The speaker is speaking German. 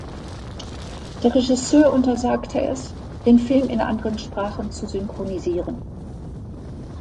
Der Regisseur untersagte es, den Film in andere Sprachen zu synchronisieren.